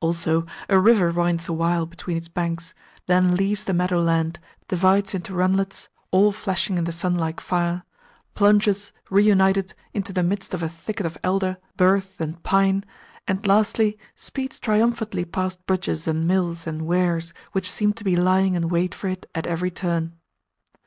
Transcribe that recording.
Also, a river winds awhile between its banks, then leaves the meadow land, divides into runlets (all flashing in the sun like fire), plunges, re united, into the midst of a thicket of elder, birch, and pine, and, lastly, speeds triumphantly past bridges and mills and weirs which seem to be lying in wait for it at every turn.